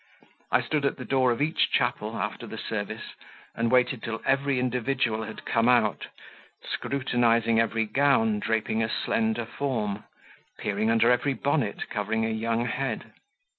I stood at the door of each chapel after the service, and waited till every individual had come out, scrutinizing every gown draping a slender form, peering under every bonnet covering a young head.